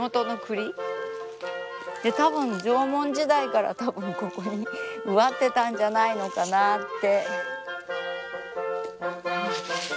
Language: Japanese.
たぶん縄文時代からたぶんここに植わってたんじゃないのかなって。